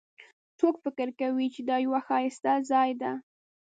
څوک فکر کوي چې دا یو ښایسته ځای ده